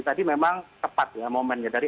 tadi memang tepat ya momennya dari